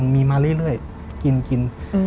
มีมาเรื่อยกิน